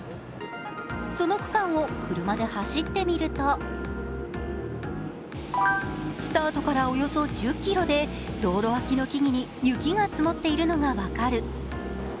その区間を車で走ってみるとスタートからおよそ１０ｋｍで道路脇の木々に雪が積もっているのが分かる。